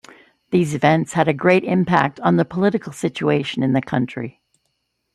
These events had a great impact on the political situation in the country.